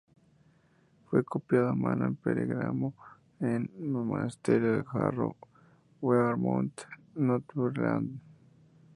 Fue copiado a mano en pergamino en el monasterio de Jarrow-Wearmouth, Northumberland.